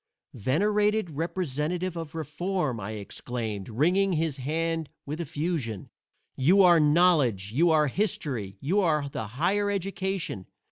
"Venerated representative of Reform," I exclaimed, wringing his hand with effusion, "you are Knowledge, you are History, you are the Higher Education!